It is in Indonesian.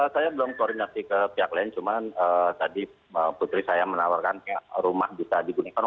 saya belum koordinasi ke pihak lain cuman tadi putri saya menawarkan rumah bisa digunakan